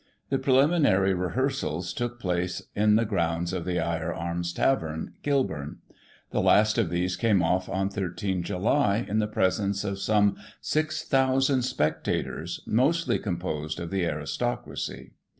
The preliminary rehearsals took place in the groimds of the Eyre Arms Tavern, Kilbum. The last of these came off on 13 July, in the presence of some 6,000 spectators, mostly composed of the aristocracy.